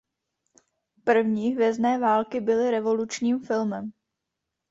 První Hvězdné války byly revolučním filmem.